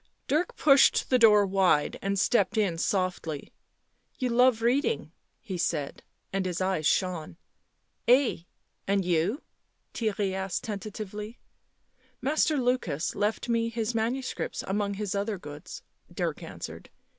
Dirk pushed the door wide and stepped in softly. " You love reading," he said, and his eyes shone. " Ay — and you ?" Theirry asked tentatively. 11 Master Lukas left me his manuscripts among his other goods," Dirk answered.